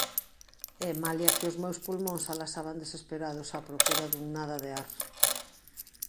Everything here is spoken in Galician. E, malia que os meus pulmóns alasaban desesperados á procura dun nada de ar;